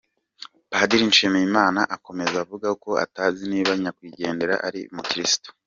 Padiri Nshimiyimana akomeza avuga ko atazi niba nyakwigendera ari umukirisitu.